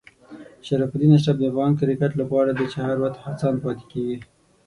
شرف الدین اشرف د افغان کرکټ لوبغاړی دی چې هر وخت هڅاند پاتې کېږي.